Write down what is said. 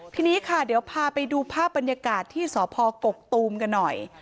ทีนี้ค่ะเดี๋ยวพาไปดูภาพบรรยากาศที่สพกกตูมกันหน่อย